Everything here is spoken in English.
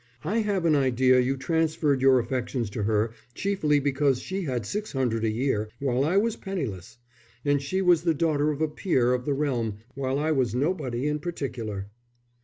I have an idea you transferred your affections to her chiefly because she had six hundred a year while I was penniless, and she was the daughter of a peer of the realm while I was nobody in particular."